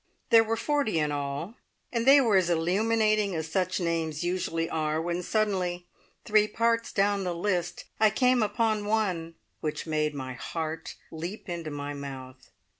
There were forty in all, and they were as illuminating as such names usually are, when suddenly, three parts down the list, I came upon one which made my heart leap into my mouth.